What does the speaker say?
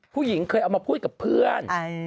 ผู้หญิงเคยเอามาพูดกับเพื่อน